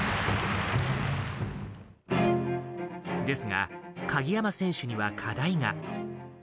ですが、鍵山選手には課題が。